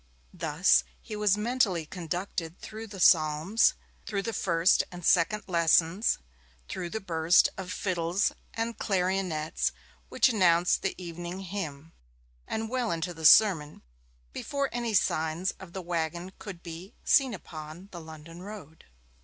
Thus he was mentally conducted through the Psalms, through the first and second lessons, through the burst of fiddles and clarionets which announced the evening hymn, and well into the sermon, before any signs of the waggon could be seen upon the London road.